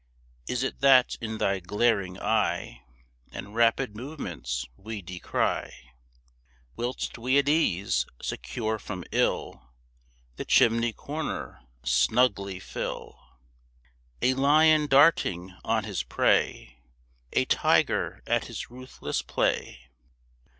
Is it that in thy glaring eye And rapid movements we descry Whilst we at ease, secure from ill, The chimney corner snugly fill A lion darting on his prey, A tiger at his ruthless play?